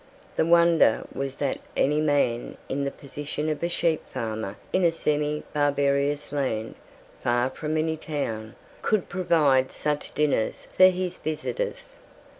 The wonder was that any man in the position of a sheep farmer in a semi barbarous land, far from any town, could provide such dinners for his visitors.